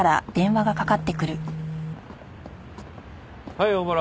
はい小原。